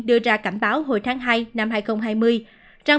đưa ra cảnh báo hồi tháng hai năm hai nghìn hai mươi